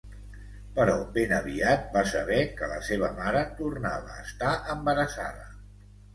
Però ben aviat va saber que la seva mare tornava a estar embarassada.